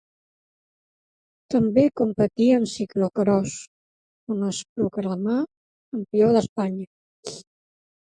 També competí en ciclocròs, on es proclamà Campió d'Espanya.